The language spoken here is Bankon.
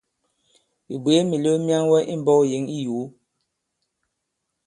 Ɓè bwě mìlew myaŋwɛ i mbɔ̄k yěŋ i yòo?